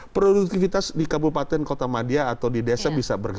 produktivitas di kabupaten kota madia atau di desa bisa bergerak